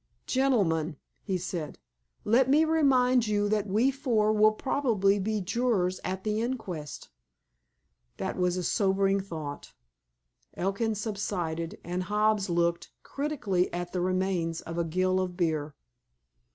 "Gentlemen," he said, "let me remind you that we four will probably be jurors at the inquest." That was a sobering thought. Elkin subsided, and Hobbs looked critically at the remains of a gill of beer.